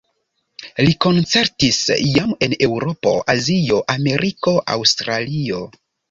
Li koncertis jam en Eŭropo, Azio, Ameriko, Aŭstralio.